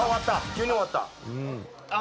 急に終わった。